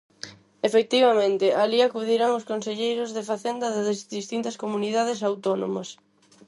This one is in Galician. Efectivamente, alí acudirán os conselleiros de Facenda das distintas comunidades autónomas.